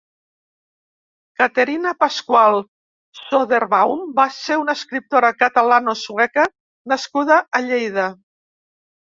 Caterina Pascual Söderbaum va ser una escriptora catalano-sueca nascuda a Lleida.